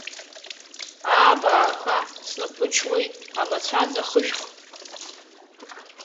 Аа, абаақәа, снапы чуеит, амацәаз ахышәх!